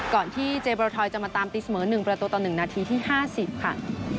ก่อนที่เจเบลทอยจะมาตามตีเสมอ๑ประตูต่อ๑นาทีที่๕๐ค่ะ